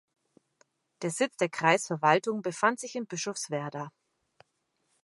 Der Sitz der Kreisverwaltung befand sich in Bischofswerda.